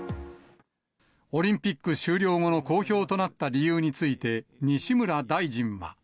オリンピック終了後の公表となった理由について、西村大臣は。